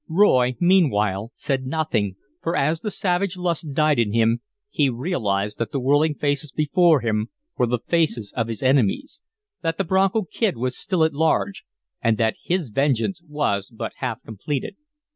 Roy, meanwhile, said nothing, for as the savage lust died in him he realized that the whirling faces before him were the faces of his enemies, that the Bronco Kid was still at large, and that his vengeance was but half completed.